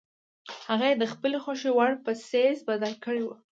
هغه یې د خپلې خوښې وړ په څیز بدل کړی وي.